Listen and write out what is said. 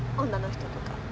女の人とか。